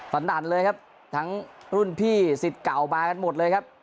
สนั่นเลยครับทั้งรุ่นพี่สิทธิ์เก่ามากันหมดเลยครับ